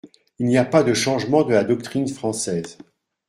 Il n’y a pas de changement de la doctrine française.